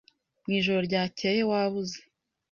Mwijoro ryakeye wabuze.